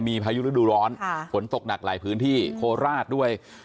มีเริ่มร้อนฝนตกหนักหลายพื้นที่โคราสด้วย